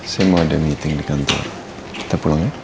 saya mau ada meeting di kantor kita pulang ya